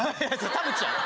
田渕やろ。